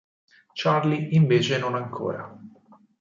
Charlie invece non ancora.